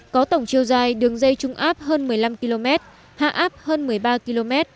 có tổng chiều dài đường dây trung áp hơn một mươi năm km hạ áp hơn một mươi ba km